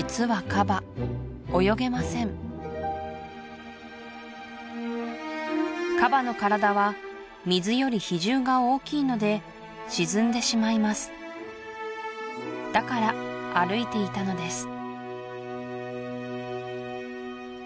カバの体は水より比重が大きいので沈んでしまいますだから歩いていたのです